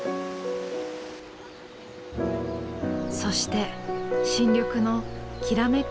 そして新緑のきらめく